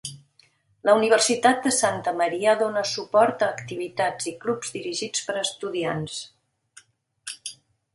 La Universitat de Santa Maria dona suport a activitats i clubs dirigits per estudiants.